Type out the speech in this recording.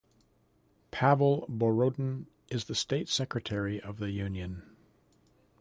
Pavel Borodin is the State Secretary of the Union.